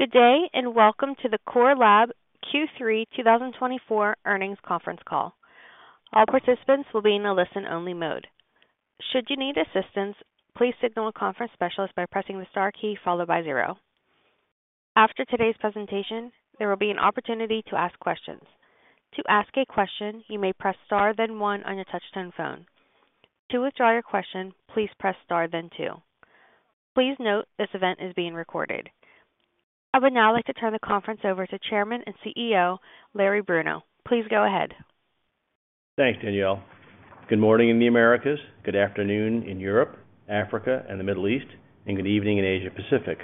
Good day, and welcome to the Core Lab Q3 2024 Earnings Conference Call. All participants will be in a listen-only mode. Should you need assistance, please signal a conference specialist by pressing the star key followed by zero. After today's presentation, there will be an opportunity to ask questions. To ask a question, you may press Star, then One on your touch-tone phone. To withdraw your question, please press Star then Two. Please note, this event is being recorded. I would now like to turn the conference over to Chairman and CEO, Larry Bruno. Please go ahead. Thanks, Danielle. Good morning in the Americas, good afternoon in Europe, Africa, and the Middle East, and good evening in Asia Pacific.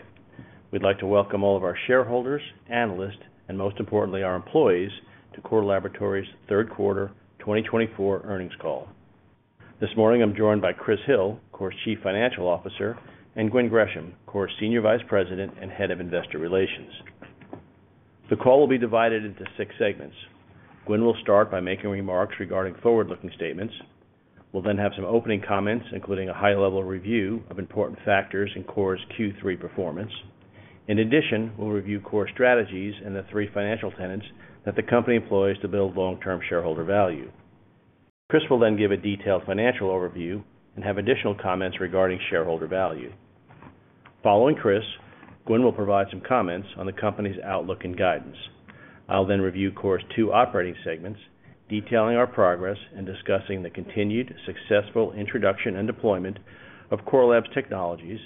We'd like to welcome all of our shareholders, analysts, and most importantly, our employees, to Core Laboratories' third quarter 2024 earnings call. This morning, I'm joined by Chris Hill, Core's Chief Financial Officer, and Gwen Gresham, Core's Senior Vice President and Head of Investor Relations. The call will be divided into six segments. Gwen will start by making remarks regarding forward-looking statements. We'll then have some opening comments, including a high-level review of important factors in Core's Q3 performance. In addition, we'll review Core's strategies and the three financial tenets that the company employs to build long-term shareholder value. Chris will then give a detailed financial overview and have additional comments regarding shareholder value. Following Chris, Gwen will provide some comments on the company's outlook and guidance. I'll then review Core's two operating segments, detailing our progress and discussing the continued successful introduction and deployment of Core Lab's technologies,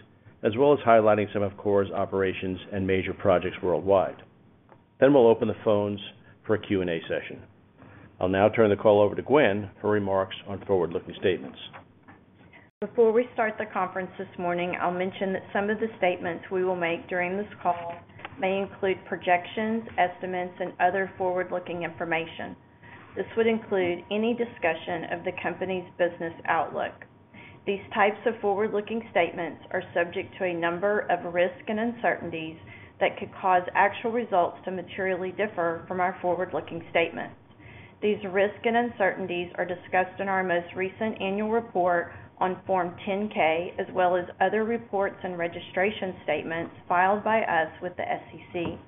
as well as highlighting some of Core's operations and major projects worldwide. Then we'll open the phones for a Q&A session. I'll now turn the call over to Gwen for remarks on forward-looking statements. Before we start the conference this morning, I'll mention that some of the statements we will make during this call may include projections, estimates, and other forward-looking information. This would include any discussion of the company's business outlook. These types of forward-looking statements are subject to a number of risks and uncertainties that could cause actual results to materially differ from our forward-looking statements. These risks and uncertainties are discussed in our most recent annual report on Form 10-K, as well as other reports and registration statements filed by us with the SEC.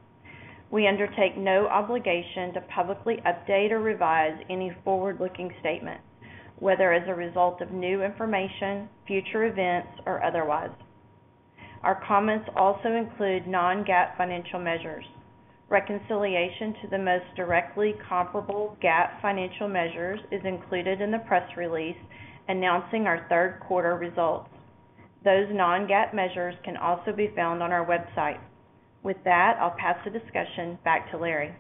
We undertake no obligation to publicly update or revise any forward-looking statement, whether as a result of new information, future events, or otherwise. Our comments also include non-GAAP financial measures. Reconciliation to the most directly comparable GAAP financial measures is included in the press release announcing our third quarter results. Those non-GAAP measures can also be found on our website. With that, I'll pass the discussion back to Larry.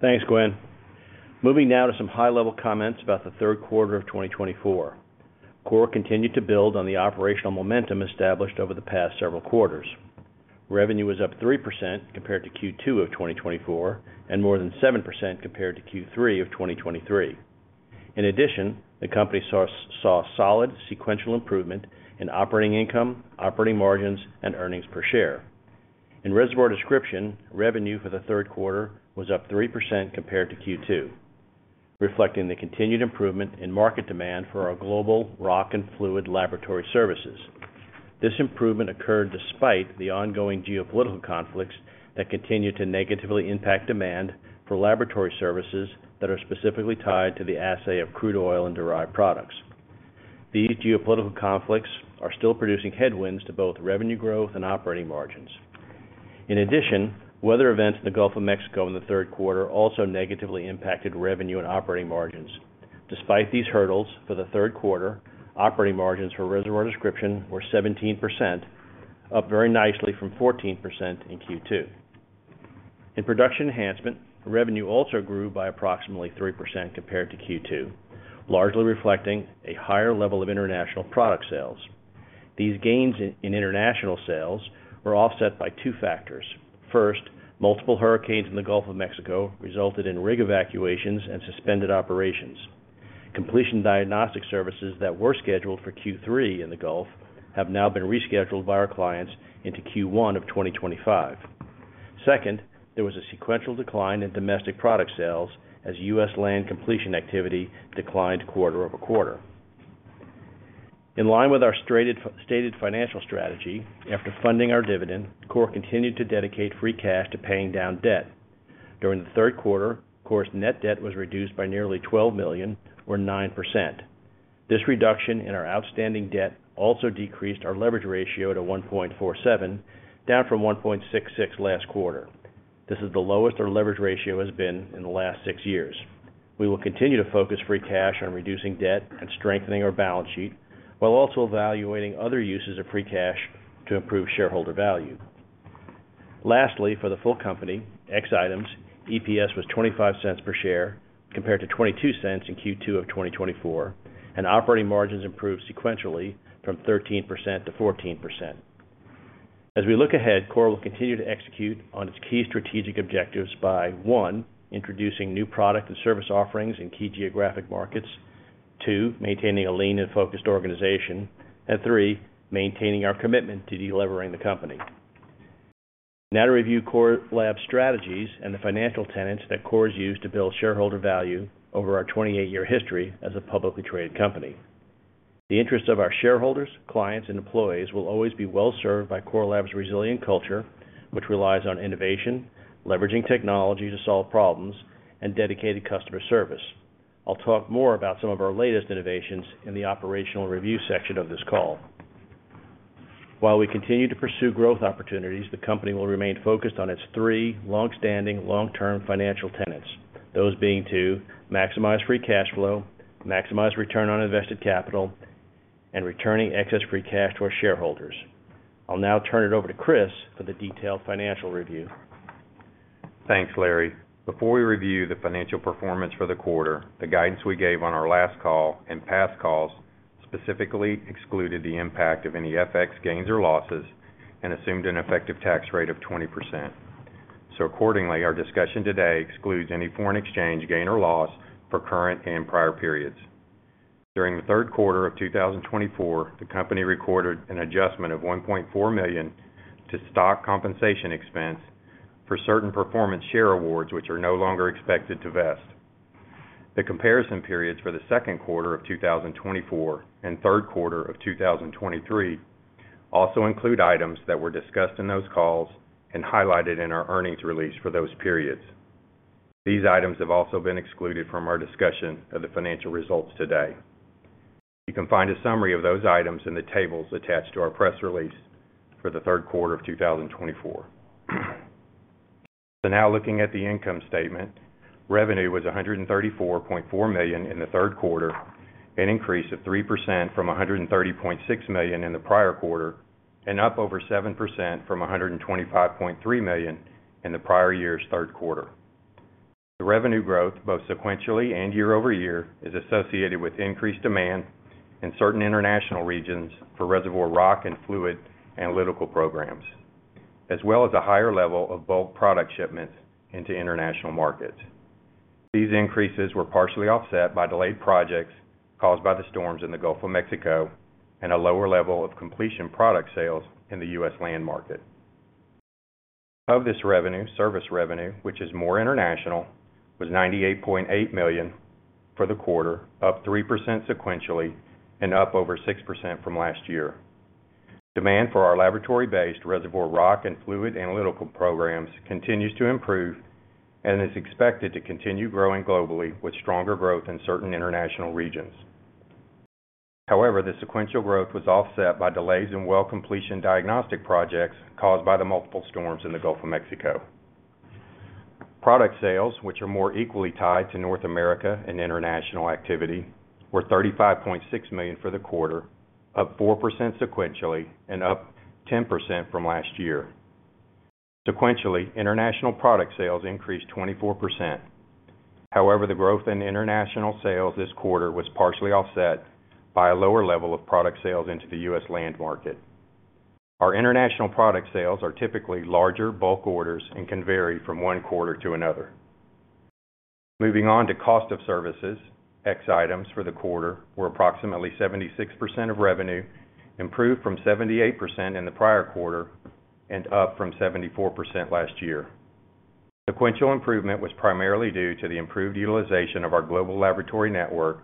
Thanks, Gwen. Moving now to some high-level comments about the third quarter of 2024. Core continued to build on the operational momentum established over the past several quarters. Revenue was up 3% compared to Q2 of 2024 and more than 7% compared to Q3 of 2023. In addition, the company saw solid sequential improvement in operating income, operating margins, and earnings per share. In Reservoir Description, revenue for the third quarter was up 3% compared to Q2, reflecting the continued improvement in market demand for our global rock and fluid laboratory services. This improvement occurred despite the ongoing geopolitical conflicts that continue to negatively impact demand for laboratory services that are specifically tied to the assay of crude oil and derived products. These geopolitical conflicts are still producing headwinds to both revenue growth and operating margins. In addition, weather events in the Gulf of Mexico in the third quarter also negatively impacted revenue and operating margins. Despite these hurdles, for the third quarter, operating margins for Reservoir Description were 17%, up very nicely from 14% in Q2. In Production Enhancement, revenue also grew by approximately 3% compared to Q2, largely reflecting a higher level of international product sales. These gains in international sales were offset by two factors. First, multiple hurricanes in the Gulf of Mexico resulted in rig evacuations and suspended operations. Completion diagnostic services that were scheduled for Q3 in the Gulf have now been rescheduled by our clients into Q1 of 2025. Second, there was a sequential decline in domestic product sales as U.S. land completion activity declined quarter over quarter. In line with our stated financial strategy, after funding our dividend, Core continued to dedicate free cash to paying down debt. During the third quarter, Core's net debt was reduced by nearly $12 million, or 9%. This reduction in our outstanding debt also decreased our leverage ratio to 1.47, down from 1.66 last quarter. This is the lowest our leverage ratio has been in the last 6 years. We will continue to focus free cash on reducing debt and strengthening our balance sheet, while also evaluating other uses of free cash to improve shareholder value. Lastly, for the full company, ex items, EPS was $0.25 per share, compared to $0.22 in Q2 of 2024, and operating margins improved sequentially from 13% to 14%. As we look ahead, Core will continue to execute on its key strategic objectives by, one, introducing new product and service offerings in key geographic markets, two, maintaining a lean and focused organization, and three, maintaining our commitment to deleveraging the company. Now to review Core Lab's strategies and the financial tenets that Core has used to build shareholder value over our 28-year history as a publicly traded company. The interest of our shareholders, clients, and employees will always be well served by Core Lab's resilient culture, which relies on innovation, leveraging technology to solve problems, and dedicated customer service. I'll talk more about some of our latest innovations in the operational review section of this call. While we continue to pursue growth opportunities, the company will remain focused on its three long-standing, long-term financial tenets. Those being to maximize free cash flow, maximize return on invested capital, and returning excess free cash to our shareholders. I'll now turn it over to Chris for the detailed financial review. Thanks, Larry. Before we review the financial performance for the quarter, the guidance we gave on our last call and past calls specifically excluded the impact of any FX gains or losses and assumed an effective tax rate of 20%. So accordingly, our discussion today excludes any foreign exchange gain or loss for current and prior periods. During the third quarter of 2024, the company recorded an adjustment of $1.4 million to stock compensation expense for certain performance share awards, which are no longer expected to vest. The comparison periods for the second quarter of 2024 and third quarter of 2023 also include items that were discussed in those calls and highlighted in our earnings release for those periods. These items have also been excluded from our discussion of the financial results today. You can find a summary of those items in the tables attached to our press release for the third quarter of 2024. So now, looking at the income statement, revenue was $134.4 million in the third quarter, an increase of 3% from $130.6 million in the prior quarter, and up over 7% from $125.3 million in the prior year's third quarter. The revenue growth, both sequentially and year over year, is associated with increased demand in certain international regions for reservoir rock and fluid analytical programs, as well as a higher level of bulk product shipments into international markets. These increases were partially offset by delayed projects caused by the storms in the Gulf of Mexico, and a lower level of completion product sales in the U.S. land market. Of this revenue, service revenue, which is more international, was $98.8 million for the quarter, up 3% sequentially and up over 6% from last year. Demand for our laboratory-based reservoir rock and fluid analytical programs continues to improve, and is expected to continue growing globally with stronger growth in certain international regions. However, the sequential growth was offset by delays in well completion diagnostic projects caused by the multiple storms in the Gulf of Mexico. Product sales, which are more equally tied to North America and international activity, were $35.6 million for the quarter, up 4% sequentially and up 10% from last year. Sequentially, international product sales increased 24%. However, the growth in international sales this quarter was partially offset by a lower level of product sales into the U.S. land market. Our international product sales are typically larger bulk orders and can vary from one quarter to another. Moving on to cost of services, ex items for the quarter, were approximately 76% of revenue, improved from 78% in the prior quarter and up from 74% last year. Sequential improvement was primarily due to the improved utilization of our global laboratory network,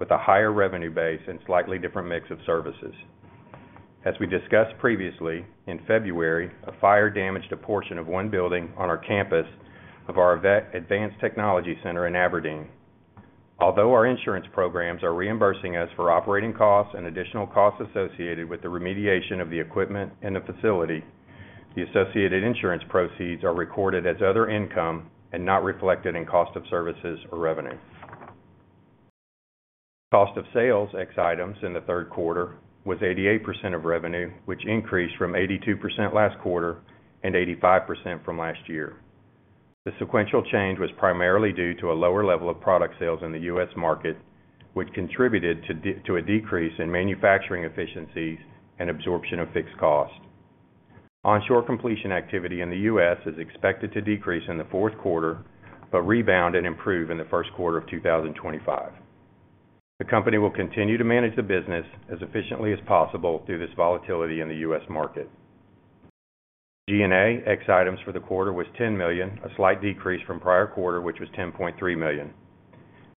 with a higher revenue base and slightly different mix of services. As we discussed previously, in February, a fire damaged a portion of one building on our campus, our Advanced Technology Center in Aberdeen. Although our insurance programs are reimbursing us for operating costs and additional costs associated with the remediation of the equipment and the facility, the associated insurance proceeds are recorded as other income and not reflected in cost of services or revenue. Cost of sales, ex items, in the third quarter was 88% of revenue, which increased from 82% last quarter and 85% from last year. The sequential change was primarily due to a lower level of product sales in the U.S. market, which contributed to to a decrease in manufacturing efficiencies and absorption of fixed cost. Onshore completion activity in the U.S. is expected to decrease in the fourth quarter, but rebound and improve in the first quarter of 2025. The company will continue to manage the business as efficiently as possible through this volatility in the U.S. market. G&A ex items for the quarter was $10 million, a slight decrease from prior quarter, which was $10.3 million.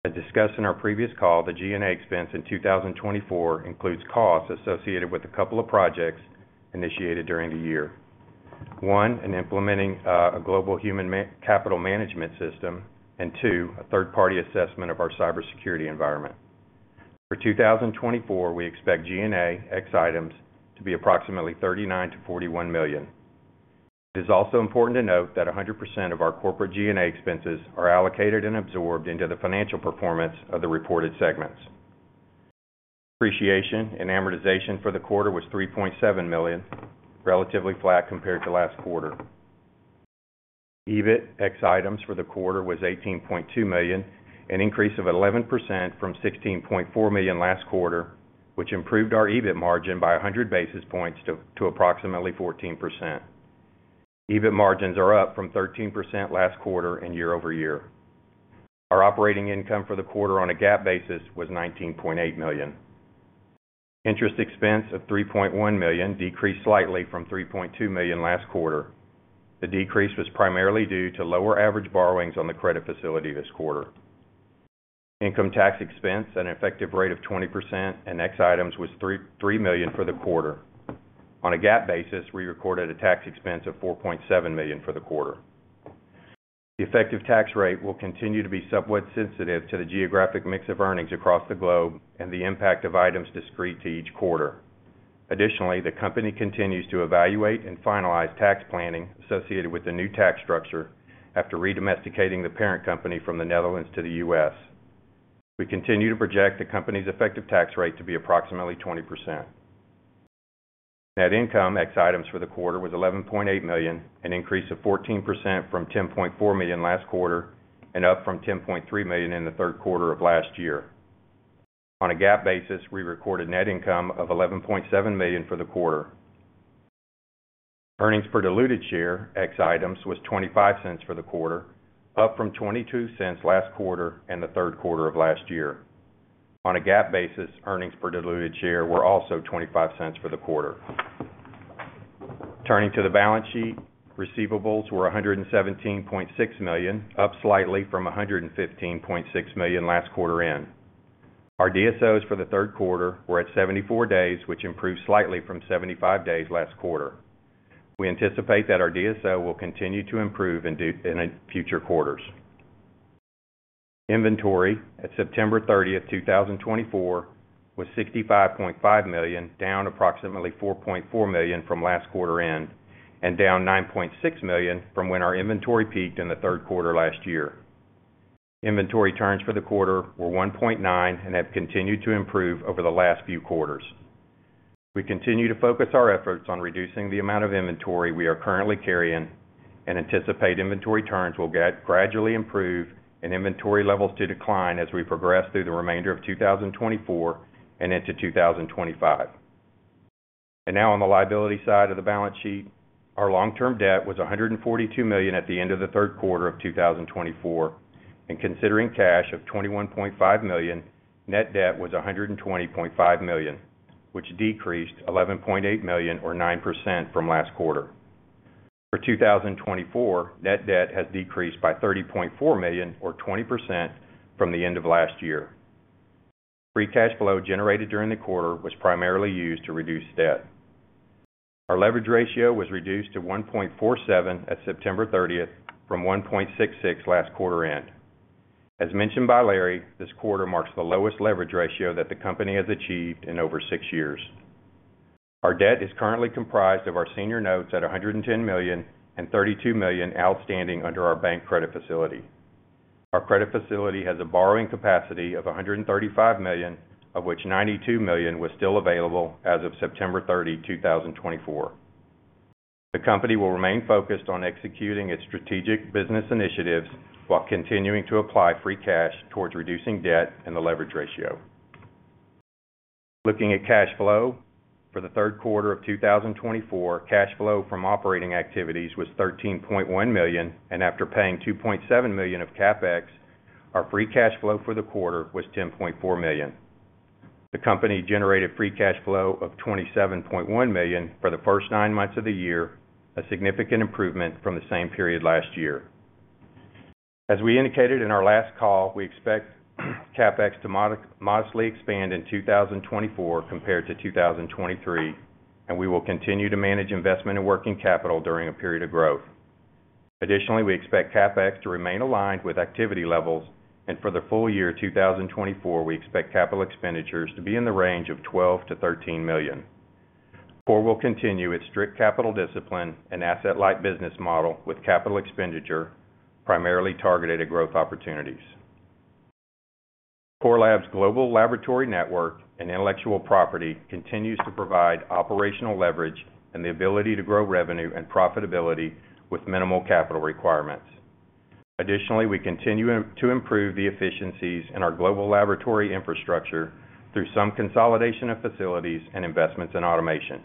As discussed in our previous call, the G&A expense in 2024 includes costs associated with a couple of projects initiated during the year. One, in implementing a global human capital management system, and two, a third-party assessment of our cybersecurity environment. For 2024, we expect G&A ex items to be approximately $39 million-$41 million. It is also important to note that 100% of our corporate G&A expenses are allocated and absorbed into the financial performance of the reported segments. Depreciation and amortization for the quarter was $3.7 million, relatively flat compared to last quarter. EBIT ex items for the quarter was $18.2 million, an increase of 11% from $16.4 million last quarter, which improved our EBIT margin by 1000 basis points to approximately 14%. EBIT margins are up from 13% last quarter and year over year. Our operating income for the quarter on a GAAP basis was $19.8 million. Interest expense of $3.1 million decreased slightly from $3.2 million last quarter. The decrease was primarily due to lower average borrowings on the credit facility this quarter. Income tax expense at an effective rate of 20% and ex items was $3.3 million for the quarter. On a GAAP basis, we recorded a tax expense of $4.7 million for the quarter. The effective tax rate will continue to be somewhat sensitive to the geographic mix of earnings across the globe and the impact of items discrete to each quarter. Additionally, the company continues to evaluate and finalize tax planning associated with the new tax structure after re-domesticating the parent company from the Netherlands to the U.S. We continue to project the company's effective tax rate to be approximately 20%. Net income ex items for the quarter was $11.8 million, an increase of 14% from $10.4 million last quarter, and up from $10.3 million in the third quarter of last year. On a GAAP basis, we recorded net income of $11.7 million for the quarter. Earnings per diluted share, ex items, was $0.25 for the quarter, up from $0.22 last quarter and the third quarter of last year. On a GAAP basis, earnings per diluted share were also $0.25 for the quarter. Turning to the balance sheet, receivables were $117.6 million, up slightly from $115.6 million last quarter end. Our DSOs for the third quarter were at 74 days, which improved slightly from 75 days last quarter. We anticipate that our DSO will continue to improve in due course in future quarters. Inventory at September 30, 2024, was $65.5 million, down approximately $4.4 million from last quarter end, and down $9.6 million from when our inventory peaked in the third quarter last year. Inventory turns for the quarter were 1.9 and have continued to improve over the last few quarters. We continue to focus our efforts on reducing the amount of inventory we are currently carrying, and anticipate inventory turns will gradually improve and inventory levels to decline as we progress through the remainder of 2024 and into 2025. And now on the liability side of the balance sheet, our long-term debt was $142 million at the end of the third quarter of 2024, and considering cash of $21.5 million, net debt was $120.5 million, which decreased $11.8 million or 9% from last quarter. For 2024, net debt has decreased by $30.4 million or 20% from the end of last year. Free cash flow generated during the quarter was primarily used to reduce debt. Our leverage ratio was reduced to 1.47 at September 30th, from 1.66 last quarter end. As mentioned by Larry, this quarter marks the lowest leverage ratio that the company has achieved in over six years. Our debt is currently comprised of our senior notes at $110 million and $32 million outstanding under our bank credit facility. Our credit facility has a borrowing capacity of $135 million, of which $92 million was still available as of September 30, 2024. The company will remain focused on executing its strategic business initiatives while continuing to apply free cash towards reducing debt and the leverage ratio. Looking at cash flow. For the third quarter of 2024, cash flow from operating activities was $13.1 million, and after paying $2.7 million of CapEx, our free cash flow for the quarter was $10.4 million. The company generated free cash flow of $27.1 million for the first nine months of the year, a significant improvement from the same period last year. As we indicated in our last call, we expect CapEx to modestly expand in 2024 compared to 2023, and we will continue to manage investment and working capital during a period of growth. Additionally, we expect CapEx to remain aligned with activity levels, and for the full year 2024, we expect capital expenditures to be in the range of $12 million-$13 million. Core will continue its strict capital discipline and asset-light business model with capital expenditure, primarily targeted at growth opportunities. Core Lab's global laboratory network and intellectual property continues to provide operational leverage and the ability to grow revenue and profitability with minimal capital requirements. Additionally, we continue to improve the efficiencies in our global laboratory infrastructure through some consolidation of facilities and investments in automation.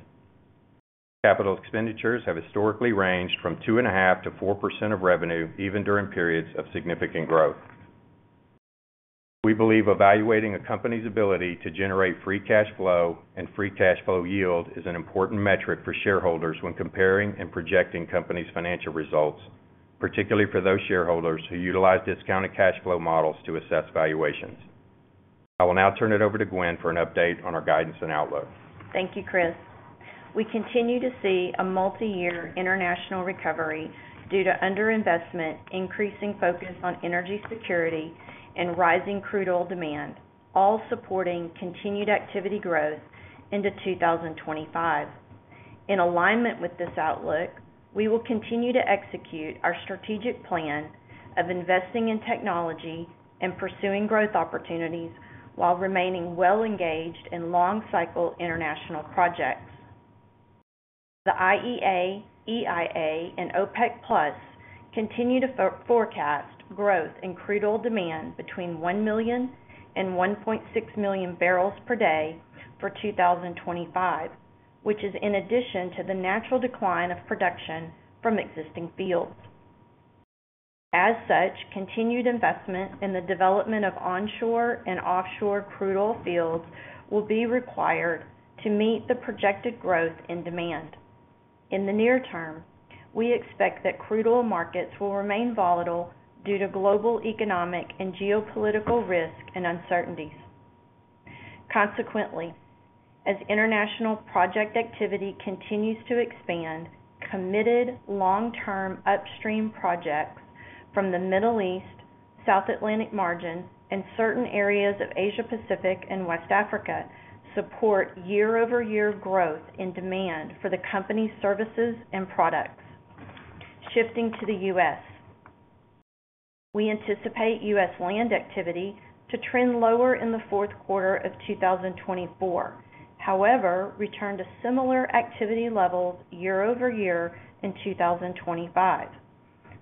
Capital expenditures have historically ranged from 2.5%-4% of revenue, even during periods of significant growth. We believe evaluating a company's ability to generate free cash flow and free cash flow yield is an important metric for shareholders when comparing and projecting company's financial results, particularly for those shareholders who utilize discounted cash flow models to assess valuations. I will now turn it over to Gwen for an update on our guidance and outlook. Thank you, Chris. We continue to see a multi-year international recovery due to underinvestment, increasing focus on energy security, and rising crude oil demand, all supporting continued activity growth into 2025. In alignment with this outlook, we will continue to execute our strategic plan of investing in technology and pursuing growth opportunities while remaining well engaged in long-cycle international projects. The IEA, EIA, and OPEC+ continue to forecast growth in crude oil demand between 1 million and 1.6 million barrels per day for 2025, which is in addition to the natural decline of production from existing fields. As such, continued investment in the development of onshore and offshore crude oil fields will be required to meet the projected growth in demand. In the near term, we expect that crude oil markets will remain volatile due to global economic and geopolitical risk and uncertainties. Consequently, as international project activity continues to expand, committed long-term upstream projects from the Middle East, South Atlantic margin, and certain areas of Asia Pacific and West Africa, support year-over-year growth in demand for the company's services and products. Shifting to the U.S. We anticipate U.S. land activity to trend lower in the fourth quarter of 2024. However, return to similar activity levels year over year in 2025.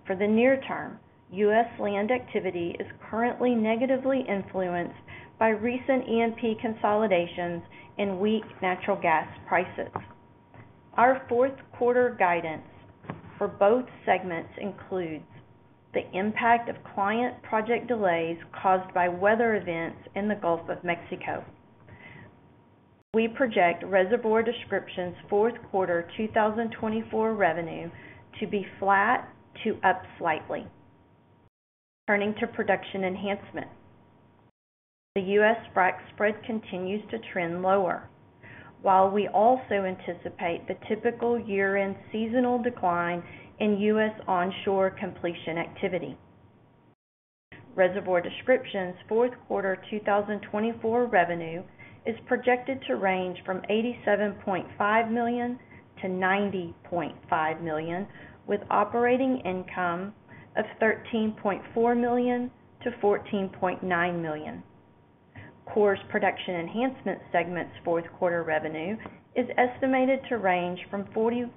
For the near term, U.S. land activity is currently negatively influenced by recent E&P consolidations and weak natural gas prices. Our fourth quarter guidance for both segments includes the impact of client project delays caused by weather events in the Gulf of Mexico. We project Reservoir Description's fourth quarter 2024 revenue to be flat to up slightly. Turning to Production Enhancement. The U.S. frac spread continues to trend lower, while we also anticipate the typical year-end seasonal decline in U.S. onshore completion activity. Reservoir Description's fourth quarter 2024 revenue is projected to range from $87.5 million-$90.5 million, with operating income of $13.4 million-$14.9 million. Core's Production Enhancement segment's fourth quarter revenue is estimated to range from $41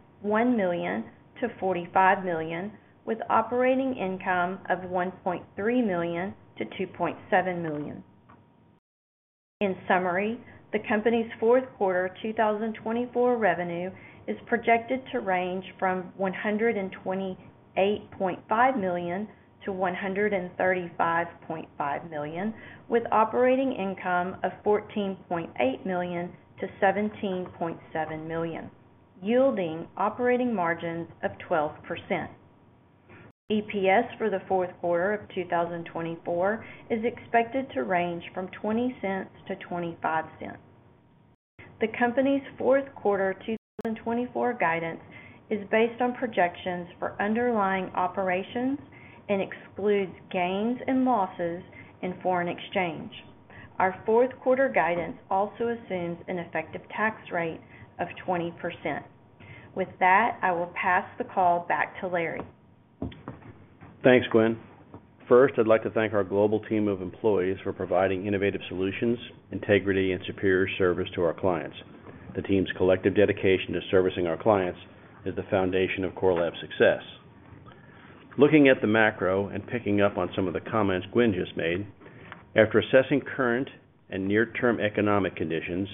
million-$45 million, with operating income of $1.3 million-$2.7 million. In summary, the company's fourth quarter 2024 revenue is projected to range from $128.5 million-$135.5 million, with operating income of $14.8 million-$17.7 million, yielding operating margins of 12%. EPS for the fourth quarter of 2024 is expected to range from $0.20-$0.25. The company's fourth quarter 2024 guidance is based on projections for underlying operations and excludes gains and losses in foreign exchange. Our fourth quarter guidance also assumes an effective tax rate of 20%. With that, I will pass the call back to Larry. Thanks, Gwen. First, I'd like to thank our global team of employees for providing innovative solutions, integrity, and superior service to our clients. The team's collective dedication to servicing our clients is the foundation of Core Lab's success. Looking at the macro and picking up on some of the comments Gwen just made, after assessing current and near-term economic conditions,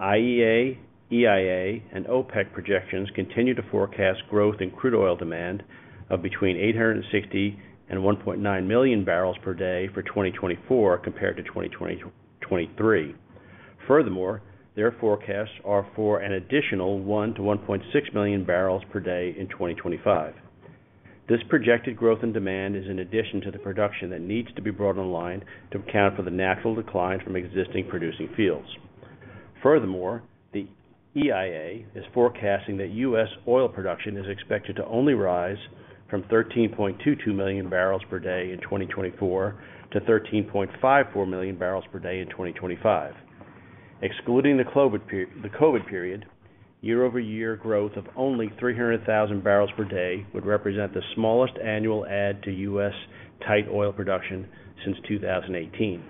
IEA, EIA, and OPEC projections continue to forecast growth in crude oil demand of between 860 and 1.9 million barrels per day for 2024 compared to 2023. Furthermore, their forecasts are for an additional 1-1.6 million barrels per day in 2025. This projected growth in demand is in addition to the production that needs to be brought online to account for the natural decline from existing producing fields. Furthermore, the EIA is forecasting that U.S. oil production is expected to only rise from 13.22 million barrels per day in 2024 to 13.54 million barrels per day in 2025. Excluding the COVID period, year-over-year growth of only 300,000 barrels per day would represent the smallest annual add to U.S. tight oil production since 2018.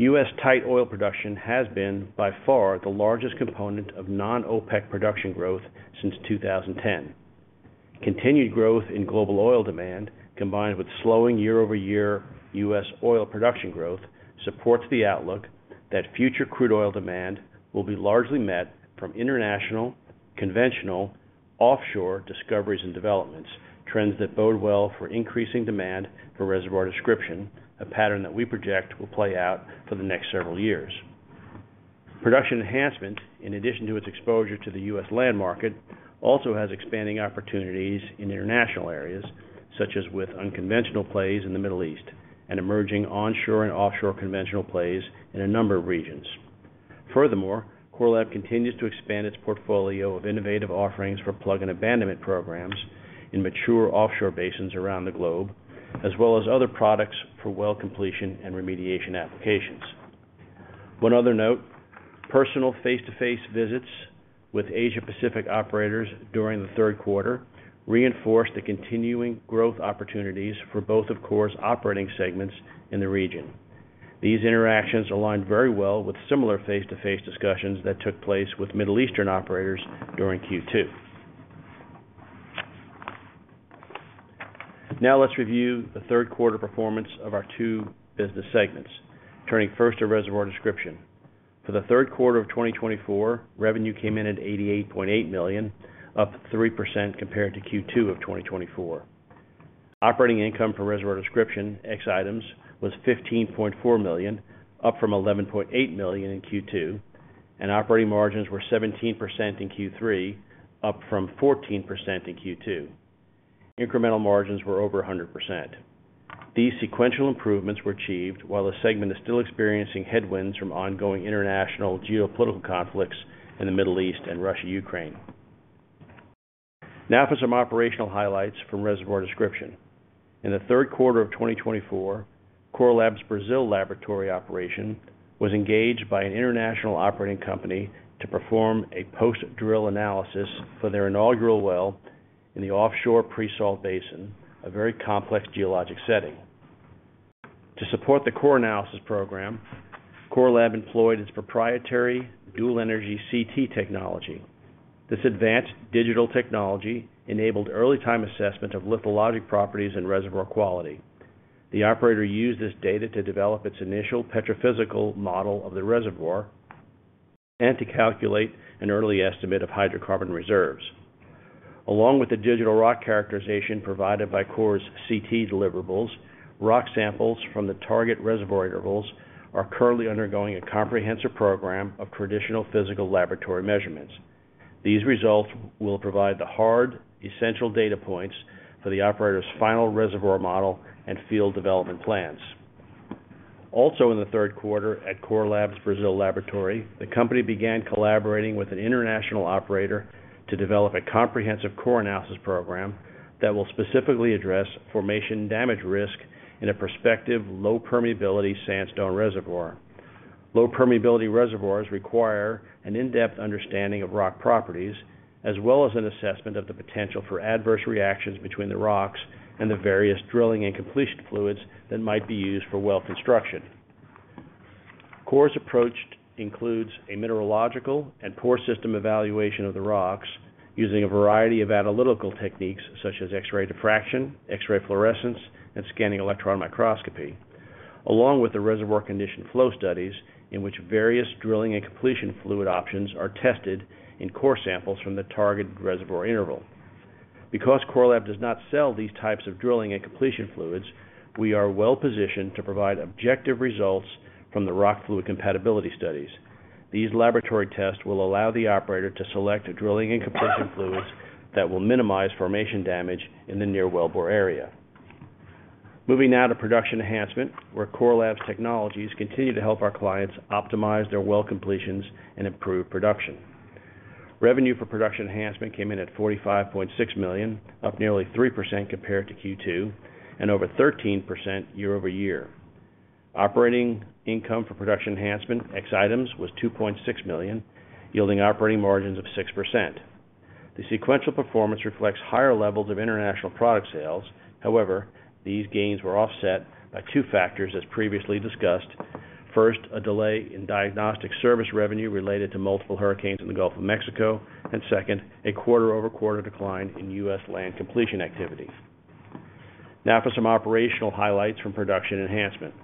U.S. tight oil production has been, by far, the largest component of non-OPEC production growth since 2010. Continued growth in global oil demand, combined with slowing year-over-year U.S. oil production growth, supports the outlook that future crude oil demand will be largely met from international, conventional, offshore discoveries and developments, trends that bode well for increasing demand for Reservoir Description, a pattern that we project will play out for the next several years. Production Enhancement, in addition to its exposure to the U.S. land market, also has expanding opportunities in international areas, such as with unconventional plays in the Middle East and emerging onshore and offshore conventional plays in a number of regions. Furthermore, Core Lab continues to expand its portfolio of innovative offerings for plug and abandonment programs in mature offshore basins around the globe, as well as other products for well completion and remediation applications. One other note, personal face-to-face visits with Asia Pacific operators during the third quarter reinforced the continuing growth opportunities for both, of course, operating segments in the region. These interactions aligned very well with similar face-to-face discussions that took place with Middle Eastern operators during Q2. Now, let's review the third quarter performance of our two business segments, turning first to Reservoir Description. For the third quarter of 2024, revenue came in at $88.8 million, up 3% compared to Q2 of 2024. Operating income for Reservoir Description ex items was $15.4 million, up from $11.8 million in Q2, and operating margins were 17% in Q3, up from 14% in Q2. Incremental margins were over 100%. These sequential improvements were achieved while the segment is still experiencing headwinds from ongoing international geopolitical conflicts in the Middle East and Russia, Ukraine. Now for some operational highlights from Reservoir Description. In the third quarter of 2024, Core Lab's Brazil laboratory operation was engaged by an international operating company to perform a post-drill analysis for their inaugural well in the offshore pre-salt basin, a very complex geologic setting. To support the core analysis program, Core Lab employed its proprietary Dual Energy CT technology. This advanced digital technology enabled early time assessment of lithologic properties and reservoir quality. The operator used this data to develop its initial petrophysical model of the reservoir and to calculate an early estimate of hydrocarbon reserves. Along with the digital rock characterization provided by Core's CT deliverables, rock samples from the target reservoir intervals are currently undergoing a comprehensive program of traditional physical laboratory measurements. These results will provide the hard, essential data points for the operator's final reservoir model and field development plans. Also, in the third quarter at Core Lab's Brazil Laboratory, the company began collaborating with an international operator to develop a comprehensive core analysis program that will specifically address formation damage risk in a prospective low permeability sandstone reservoir. Low permeability reservoirs require an in-depth understanding of rock properties, as well as an assessment of the potential for adverse reactions between the rocks and the various drilling and completion fluids that might be used for well construction. Core's approach includes a mineralogical and pore system evaluation of the rocks, using a variety of analytical techniques such as X-ray diffraction, X-ray fluorescence, and scanning electron microscopy, along with the reservoir condition flow studies in which various drilling and completion fluid options are tested in core samples from the target reservoir interval. Because Core Lab does not sell these types of drilling and completion fluids, we are well-positioned to provide objective results from the rock fluid compatibility studies. These laboratory tests will allow the operator to select a drilling and completion fluids that will minimize formation damage in the near wellbore area. Moving now to Production Enhancement, where Core Lab's technologies continue to help our clients optimize their well completions and improve production. Revenue for Production Enhancement came in at $45.6 million, up nearly 3% compared to Q2, and over 13% year over year. Operating income for Production Enhancement, ex items, was $2.6 million, yielding operating margins of 6%. The sequential performance reflects higher levels of international product sales. However, these gains were offset by two factors, as previously discussed. First, a delay in diagnostic service revenue related to multiple hurricanes in the Gulf of Mexico, and second, a quarter-over-quarter decline in U.S. land completion activities. Now for some operational highlights from Production Enhancement.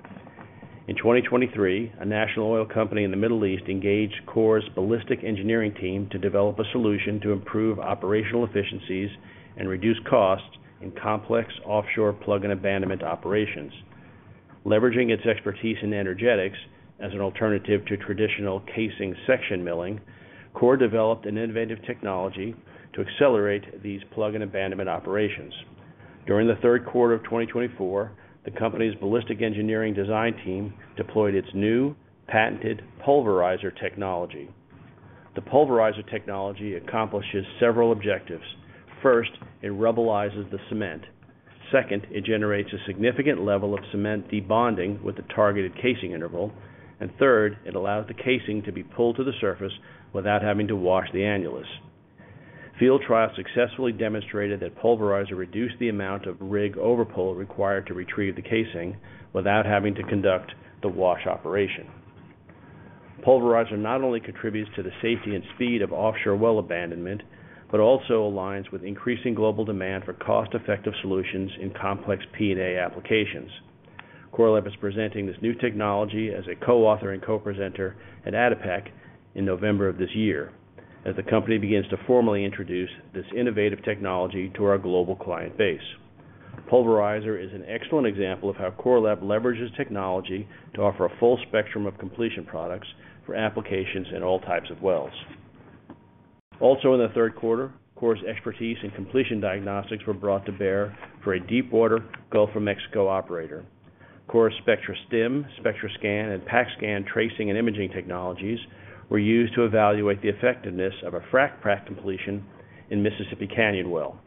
In 2023, a national oil company in the Middle East engaged Core's ballistic engineering team to develop a solution to improve operational efficiencies and reduce costs in complex offshore plug and abandonment operations. Leveraging its expertise in energetics as an alternative to traditional casing section milling, Core developed an innovative technology to accelerate these plug and abandonment operations. During the third quarter of 2024, the company's ballistic engineering design team deployed its new patented Pulverizer technology. The Pulverizer technology accomplishes several objectives. First, it rubblizes the cement. Second, it generates a significant level of cement debonding with the targeted casing interval, and third, it allows the casing to be pulled to the surface without having to wash the annulus. Field trials successfully demonstrated that Pulverizer reduced the amount of rig overpull required to retrieve the casing without having to conduct the wash operation. Pulverizer not only contributes to the safety and speed of offshore well abandonment, but also aligns with increasing global demand for cost-effective solutions in complex P&A applications. Core Lab is presenting this new technology as a co-author and co-presenter at ADIPEC in November of this year, as the company begins to formally introduce this innovative technology to our global client base. Pulverizer is an excellent example of how Core Lab leverages technology to offer a full spectrum of completion products for applications in all types of wells. Also in the third quarter, Core's expertise in completion diagnostics were brought to bear for a deepwater Gulf of Mexico operator. Core SpectraStim, SpectraScan, and PACKSCAN tracing and imaging technologies were used to evaluate the effectiveness of a frac pack completion in Mississippi Canyon well.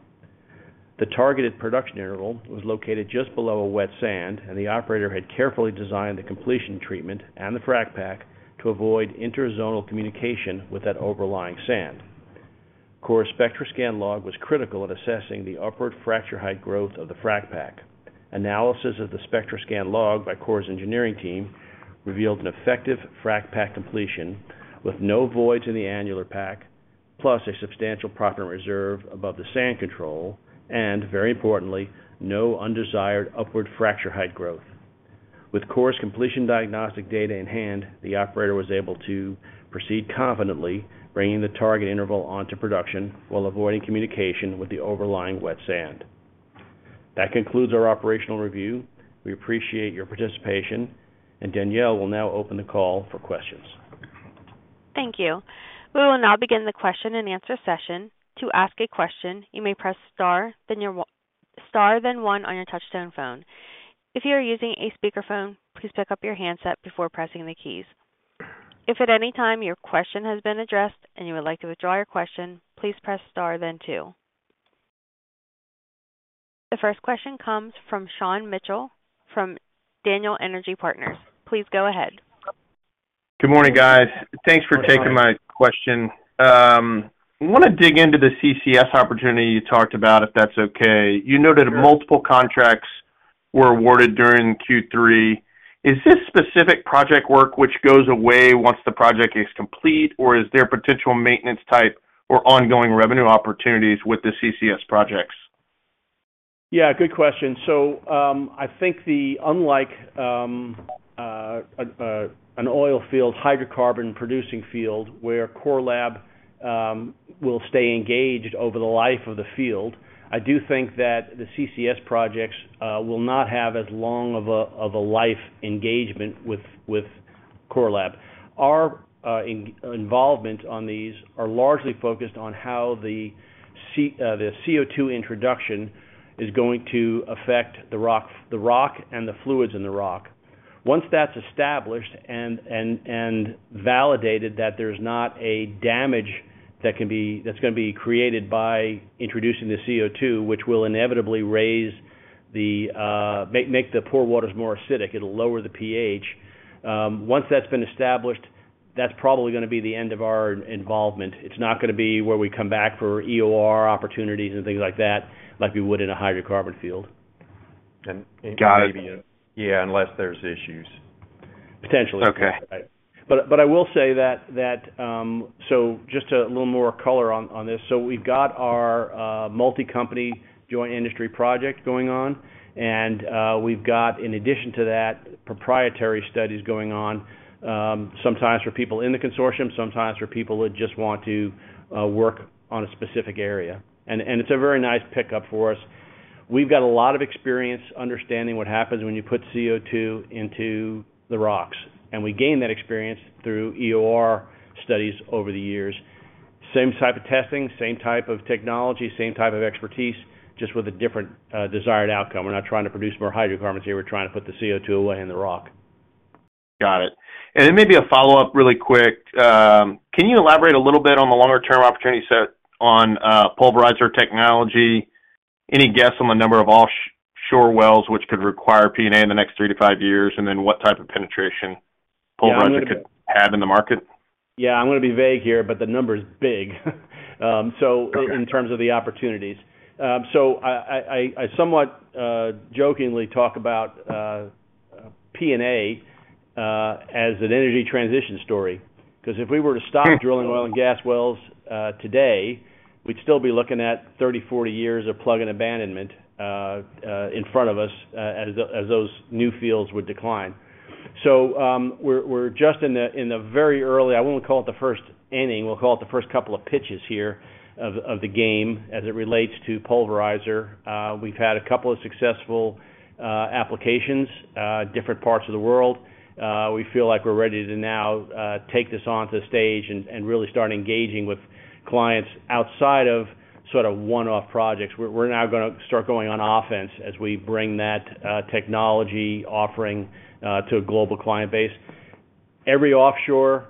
The targeted production interval was located just below a wet sand, and the operator had carefully designed the completion treatment and the frac pack to avoid interzonal communication with that overlying sand. Core SpectraScan log was critical in assessing the upward fracture height growth of the frac pack. Analysis of the SpectraScan log by Core's engineering team revealed an effective frac pack completion with no voids in the annular pack... plus a substantial propped reserve above the sand control and, very importantly, no undesired upward fracture height growth. With Core's completion diagnostic data in hand, the operator was able to proceed confidently, bringing the target interval onto production while avoiding communication with the overlying wet sand. That concludes our operational review. We appreciate your participation, and Danielle will now open the call for questions. Thank you. We will now begin the question-and-answer session. To ask a question, you may press star, then one on your touch-tone phone. If you are using a speakerphone, please pick up your handset before pressing the keys. If at any time your question has been addressed and you would like to withdraw your question, please press star, then two. The first question comes from Sean Mitchell from Daniel Energy Partners. Please go ahead. Good morning, guys. Good morning. Thanks for taking my question. I wanna dig into the CCS opportunity you talked about, if that's okay. Sure. You noted multiple contracts were awarded during Q3. Is this specific project work which goes away once the project is complete, or is there potential maintenance type or ongoing revenue opportunities with the CCS projects? Yeah, good question. So, I think unlike an oil field, hydrocarbon-producing field, where Core Lab will stay engaged over the life of the field, I do think that the CCS projects will not have as long of a life engagement with Core Lab. Our involvement on these are largely focused on how the CO2 introduction is going to affect the rock and the fluids in the rock. Once that's established and validated that there's not a damage that's gonna be created by introducing the CO2, which will inevitably make the pore waters more acidic, it'll lower the pH. Once that's been established, that's probably gonna be the end of our involvement. It's not gonna be where we come back for EOR opportunities and things like that, like we would in a hydrocarbon field. And got it. Maybe, yeah. Yeah, unless there's issues. Potentially. Okay. I will say that. Just a little more color on this. We've got our multi-company joint industry project going on, and we've got, in addition to that, proprietary studies going on, sometimes for people in the consortium, sometimes for people that just want to work on a specific area. It's a very nice pickup for us. We've got a lot of experience understanding what happens when you put CO2 into the rocks, and we gain that experience through EOR studies over the years. Same type of testing, same type of technology, same type of expertise, just with a different desired outcome. We're not trying to produce more hydrocarbons here. We're trying to put the CO2 away in the rock. Got it, and then maybe a follow-up really quick. Can you elaborate a little bit on the longer-term opportunity set on Pulverizer technology? Any guess on the number of offshore wells, which could require P&A in the next 3-5 years, and then what type of penetration- Yeah, I'm gonna- - Pulverizer could have in the market? Yeah, I'm gonna be vague here, but the number is big, so- Okay... in terms of the opportunities, so I somewhat jokingly talk about P&A as an energy transition story, 'cause if we were to stop- Hmm... drilling oil and gas wells, today, we'd still be looking at 30, 40 years of plug and abandonment in front of us as those new fields would decline. So, we're just in the very early. I wouldn't call it the first inning, we'll call it the first couple of pitches here of the game as it relates to Pulverizer. We've had a couple of successful applications different parts of the world. We feel like we're ready to now take this onto the stage and really start engaging with clients outside of sort of one-off projects. We're now gonna start going on offense as we bring that technology offering to a global client base. Every offshore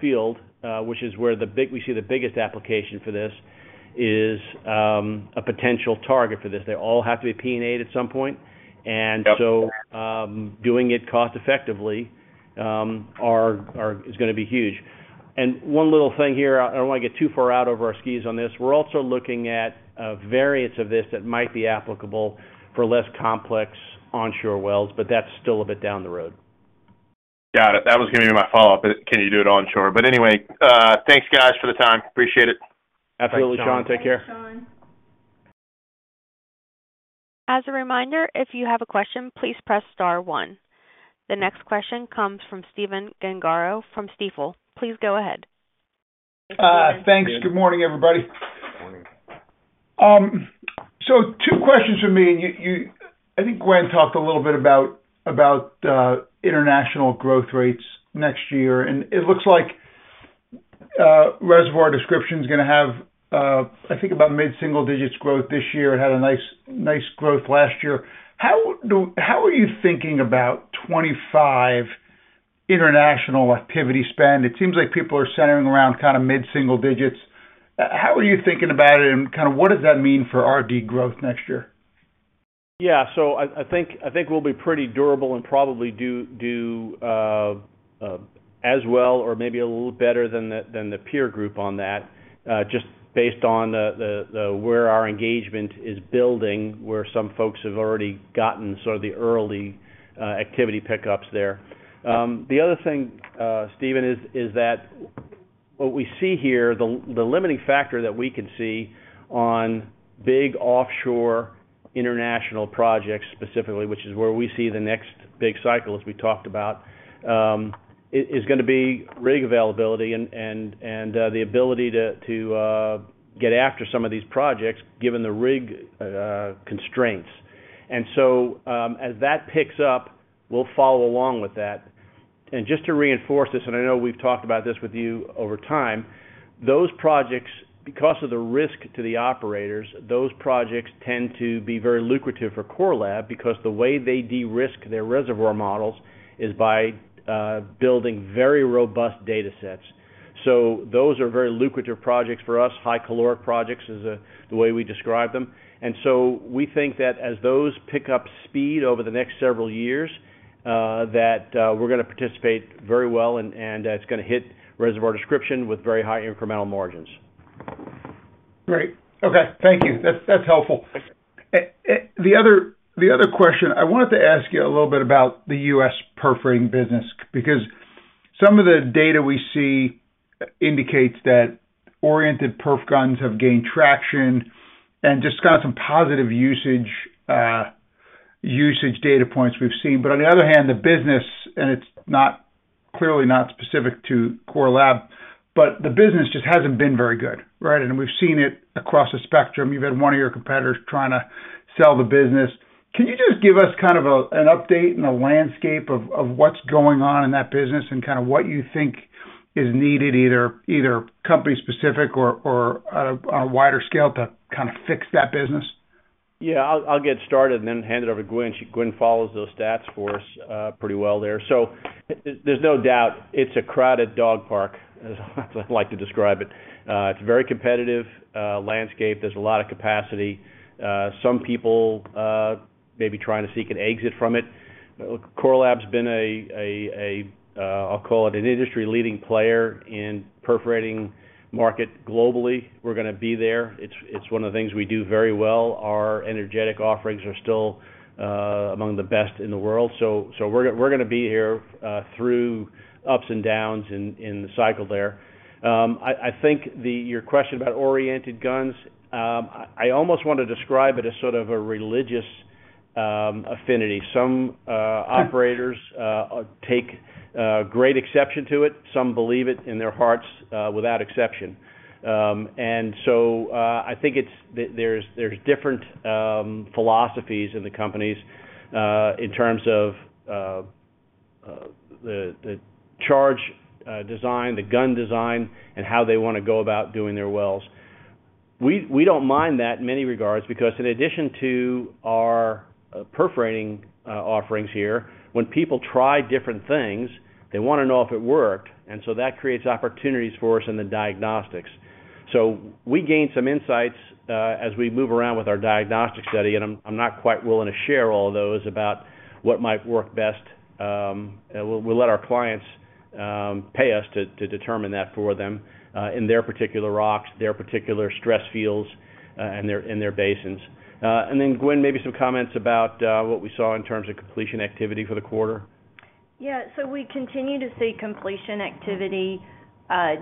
field, which is where we see the biggest application for this, is a potential target for this. They all have to be P&A at some point. Yep. And so, doing it cost effectively is gonna be huge. And one little thing here, I don't wanna get too far out over our skis on this. We're also looking at variants of this that might be applicable for less complex onshore wells, but that's still a bit down the road. Got it. That was gonna be my follow-up, but can you do it onshore? But anyway, thanks, guys, for the time. Appreciate it. Absolutely, Sean. Take care. Thanks, Sean. As a reminder, if you have a question, please press star one. The next question comes from Stephen Gengaro, from Stifel. Please go ahead. Thanks. Good morning, everybody. Good morning. So two questions from me. I think Gwen talked a little bit about international growth rates next year, and it looks like Reservoir Description is gonna have, I think, about mid-single digits growth this year. It had a nice growth last year. How are you thinking about twenty-five international activity spend? It seems like people are centering around mid-single digits. How are you thinking about it, and kinda what does that mean for RD growth next year? Yeah. So I think we'll be pretty durable and probably do as well or maybe a little better than the peer group on that, just based on where our engagement is building, where some folks have already gotten sort of the early activity pickups there. The other thing, Stephen, is that what we see here, the limiting factor that we can see on big offshore international projects, specifically, which is where we see the next big cycle, as we talked about, is gonna be rig availability and the ability to get after some of these projects, given the rig constraints. And so, as that picks up, we'll follow along with that. Just to reinforce this, and I know we've talked about this with you over time, those projects, because of the risk to the operators, those projects tend to be very lucrative for Core Lab, because the way they de-risk their reservoir models is by building very robust data sets. So those are very lucrative projects for us. High caloric projects is the way we describe them. So we think that as those pick up speed over the next several years, that we're gonna participate very well, and it's gonna hit Reservoir Description with very high incremental margins. Great. Okay, thank you. That's helpful. The other question I wanted to ask you a little bit about the U.S. perforating business, because some of the data we see indicates that oriented perf guns have gained traction and just got some positive usage data points we've seen. But on the other hand, the business, and it's not clearly not specific to Core Lab, but the business just hasn't been very good, right? And we've seen it across the spectrum. You've had one of your competitors trying to sell the business. Can you just give us kind of an update and a landscape of what's going on in that business and kinda what you think is needed, either company specific or on a wider scale, to kinda fix that business? Yeah, I'll get started and then hand it over to Gwen. Gwen follows those stats for us pretty well there. So there's no doubt it's a crowded dog park, as I like to describe it. It's a very competitive landscape. There's a lot of capacity. Some people may be trying to seek an exit from it. Core Lab's been. I'll call it an industry-leading player in perforating market globally. We're gonna be there. It's one of the things we do very well. Our energetic offerings are still among the best in the world. So we're gonna be here through ups and downs in the cycle there. I think your question about oriented guns. I almost want to describe it as sort of a religious affinity. Some operators take great exception to it, some believe it in their hearts without exception. And so I think it's, there's different philosophies in the companies in terms of the charge design, the gun design, and how they wanna go about doing their wells. We don't mind that in many regards, because in addition to our perforating offerings here, when people try different things, they wanna know if it worked, and so that creates opportunities for us in the diagnostics. So we gain some insights as we move around with our diagnostics study, and I'm not quite willing to share all those about what might work best. We'll let our clients pay us to determine that for them in their particular rocks, their particular stress fields, and their basins. And then, Gwen, maybe some comments about what we saw in terms of completion activity for the quarter. Yeah, so we continue to see completion activity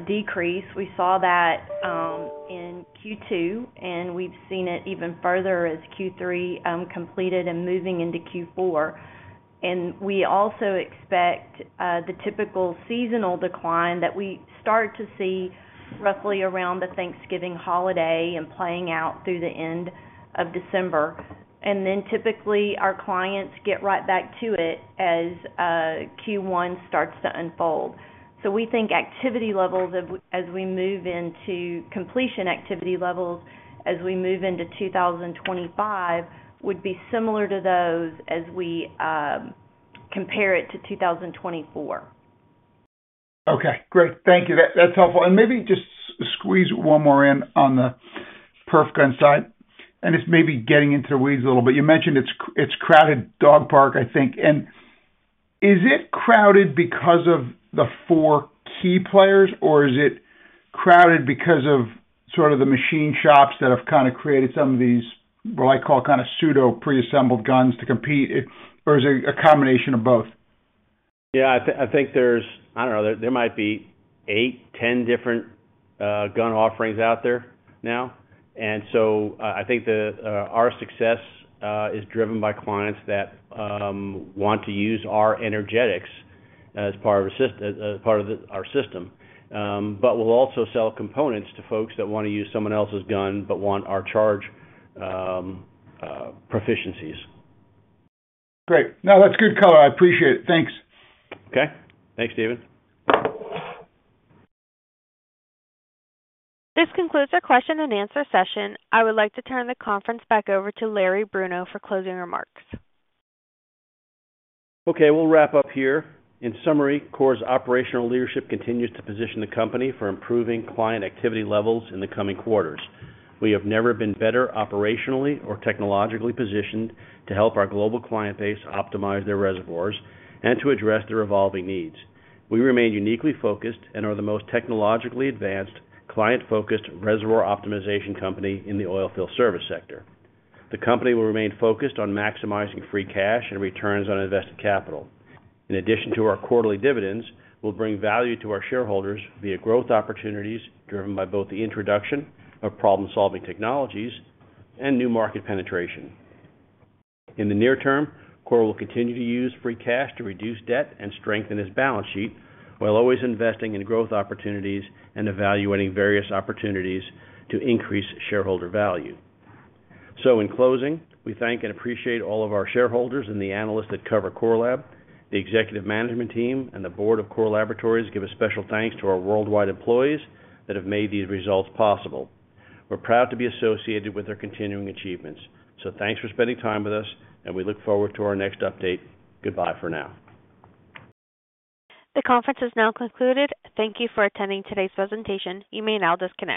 decrease. We saw that in Q2, and we've seen it even further as Q3 completed and moving into Q4. And we also expect the typical seasonal decline that we start to see roughly around the Thanksgiving holiday and playing out through the end of December. And then, typically, our clients get right back to it as Q1 starts to unfold. So we think activity levels as we move into completion activity levels, as we move into two thousand and twenty-five, would be similar to those as we compare it to two thousand twenty-four. Okay, great. Thank you. That, that's helpful. And maybe just squeeze one more in on the perf gun side, and it's maybe getting into the weeds a little bit. You mentioned it's crowded dog park, I think. And is it crowded because of the four key players, or is it crowded because of sort of the machine shops that have kinda created some of these, what I call, kinda pseudo pre-assembled guns to compete, it, or is it a combination of both? Yeah, I think there's... I don't know, there might be eight, 10 different gun offerings out there now. And so, I think our success is driven by clients that want to use our energetics as part of our system. But we'll also sell components to folks that wanna use someone else's gun, but want our charge proficiencies. Great. No, that's good color. I appreciate it. Thanks. Okay. Thanks Stephen. This concludes our question and answer session. I would like to turn the conference back over to Larry Bruno for closing remarks. Okay, we'll wrap up here. In summary, Core's operational leadership continues to position the company for improving client activity levels in the coming quarters. We have never been better operationally or technologically positioned to help our global client base optimize their reservoirs and to address their evolving needs. We remain uniquely focused and are the most technologically advanced, client-focused reservoir optimization company in the oil field service sector. The company will remain focused on maximizing free cash and returns on invested capital. In addition to our quarterly dividends, we'll bring value to our shareholders via growth opportunities, driven by both the introduction of problem-solving technologies and new market penetration. In the near term, Core will continue to use free cash to reduce debt and strengthen its balance sheet, while always investing in growth opportunities and evaluating various opportunities to increase shareholder value. So in closing, we thank and appreciate all of our shareholders and the analysts that cover Core Lab. The executive management team and the board of Core Laboratories give a special thanks to our worldwide employees that have made these results possible. We're proud to be associated with their continuing achievements. So thanks for spending time with us, and we look forward to our next update. Goodbye for now. The conference is now concluded. Thank you for attending today's presentation. You may now disconnect.